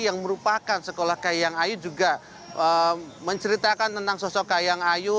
yang merupakan sekolah kahiyang ayu juga menceritakan tentang sosok kahiyang ayu